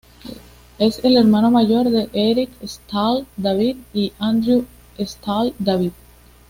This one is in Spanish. Es el hermano mayor de Eric Stahl-David y de Andrew R. Stahl-David.